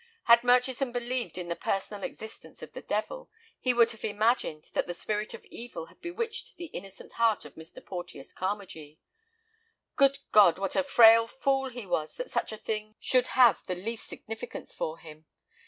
Had Murchison believed in the personal existence of the devil, he would have imagined that the Spirit of Evil had bewitched the innocent heart of Mr. Porteus Carmagee. Good God! what a frail fool he was that such a thing should have the least significance for him!